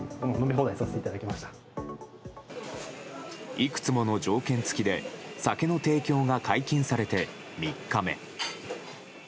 いくつもの条件付きで酒の提供が解禁されて３日目。